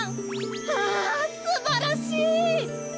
あすばらしい！